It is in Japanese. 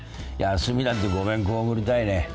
休みなんてごめん被りたいね。